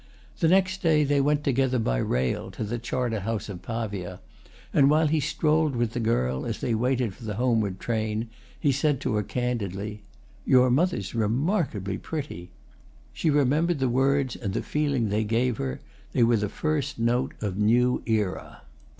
The next day they went together by rail to the Charterhouse of Pavia, and while he strolled with the girl, as they waited for the homeward train, he said to her candidly: "Your mother's remarkably pretty." She remembered the words and the feeling they gave her: they were the first note of new era.